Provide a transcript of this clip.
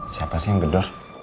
siapa sih yang berdur